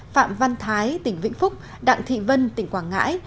phạm văn thái tỉnh vĩnh phúc đặng thị vân tỉnh quảng ngãi